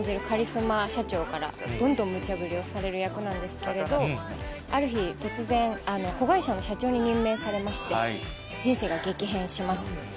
カリスマ社長から、どんどんムチャブリをされる役なんですけど、ある日突然、子会社の社長に任命されまして、人生が激変します。